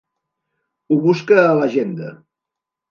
Ho busca a l'agenda.